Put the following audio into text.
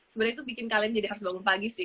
sebenarnya itu bikin kalian jadi harus bangun pagi sih